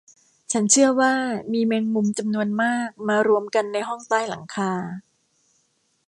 ฉันเชื่อว่ามีแมงมุมจำนวนมากมารวมกันในห้องใต้หลังคา